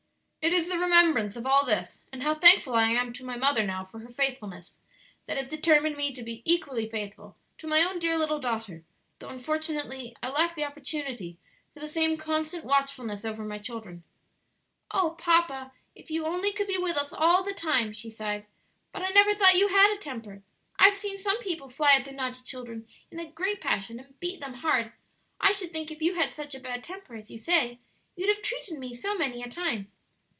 "It is the remembrance of all this, and how thankful I am to my mother now for her faithfulness, that has determined me to be equally faithful to my own dear little daughter, though unfortunately I lack the opportunity for the same constant watchfulness over my children." "Oh, papa, if you only could be with us all the time!" she sighed. "But I never thought you had a temper. I've seen some people fly at their naughty children in a great passion and beat them hard; I should think if you had such a bad temper as you say, you'd have treated me so many a time."